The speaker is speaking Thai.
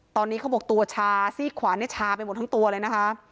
ตอนนี้เขาบอกตัวชาซีกขวาเนี่ยชาไปหมดทั้งตัวเลยนะคะ